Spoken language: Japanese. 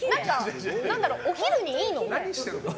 お昼にいいの？